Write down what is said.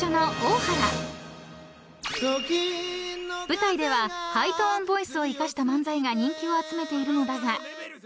［舞台ではハイトーンボイスを生かした漫才が人気を集めているのだが］